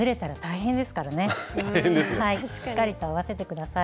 しっかりと合わせて下さい。